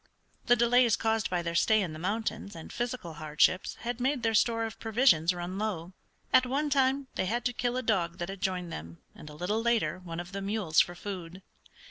The delays caused by their stay in the mountains and physical hardships had made their store of provisions run low. At one time they had to kill a dog that had joined them, and a little later one of the mules for food.